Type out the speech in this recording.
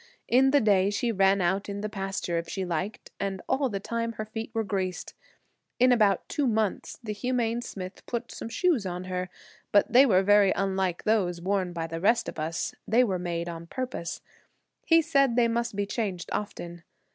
In the day she ran out in the pasture if she liked, and all the time her feet were greased. In about two months the humane smith put some shoes on her, but they were very unlike those worn by the rest of us; they were made on purpose. He said they must be changed often.